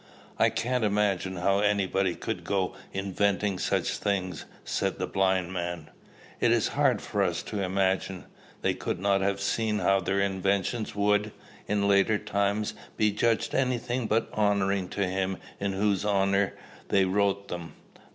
"I can't imagine how anybody could go inwentuating such things!" said the blind man. "It is hard for us to imagine. They could not have seen how their inventions would, in later times, be judged any thing but honoring to him in whose honor they wrote them.